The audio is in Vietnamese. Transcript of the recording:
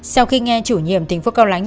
sau khi nghe chủ nhiệm tp cao lãnh